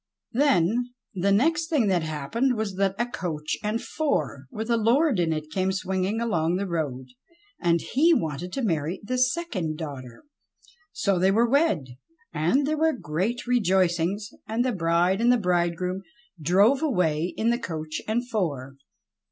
Then the next thing that happened was that a coach and four with a Lord in it came swinging along the road ; and he wanted to marry the second daughter. So they were wed, and there were great rejoicings, and the bride and bridegroom drove away in the coach and four.